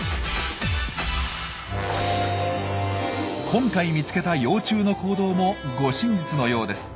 今回見つけた幼虫の行動も護身術のようです。